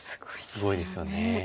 すごいですよね。